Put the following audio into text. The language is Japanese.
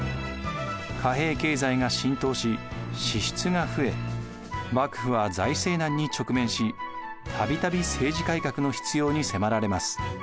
貨幣経済が浸透し支出が増え幕府は財政難に直面したびたび政治改革の必要に迫られます。